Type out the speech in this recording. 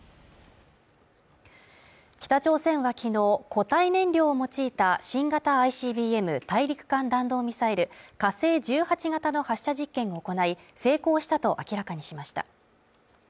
北朝鮮はきのう、固体燃料を用いた新型ＩＣＢＭ＝大陸間弾道ミサイル火星１８型の発射実験を行い、成功したと明らかにしました。